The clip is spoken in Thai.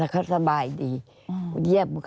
อันดับ๖๓๕จัดใช้วิจิตร